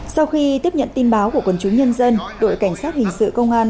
sau khi tiếp nhận tin báo của quần chúng nhân dân đội cảnh sát hình sự công an